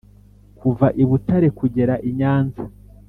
kuva i Butare kugera i Nyanza: